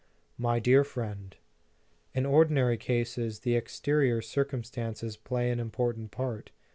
MY DEAR FRIEND: In ordinary cases, the exterior circumstan ces play an important part.